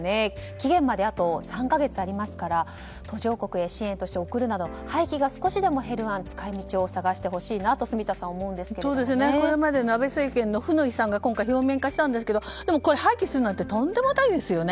期限まであと３か月ありますから途上国へ支援として送るなど廃棄が少しでも減るような使い道を探してほしいなとこれまでの安倍政権の負の遺産が今回、表面化したんですけどもでも、これを廃棄するなんてとんでもないですよね。